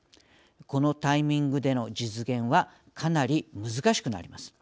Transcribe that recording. このタイミングでの実現はかなり難しくなります。